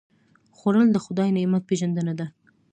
خوړل د خدای نعمت پېژندنه ده